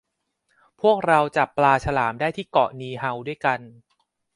พวกเราจับปลาฉลามได้ที่เกาะนีเฮาด้วยกัน